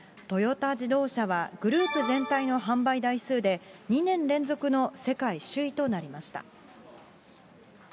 トヨタ自動車はグループ全体の販売台数で、２年連続の世界首位となりました。